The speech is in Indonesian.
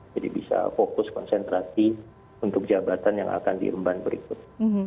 jadi bisa fokus konsentrasi untuk jabatan yang akan diemban berikutnya